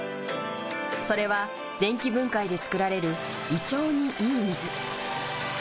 それは電気分解で作られる胃腸にいい水。